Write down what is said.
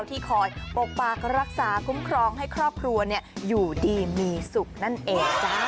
ที่คอยปกปักรักษาคุ้มครองให้ครอบครัวอยู่ดีมีสุขนั่นเองจ้า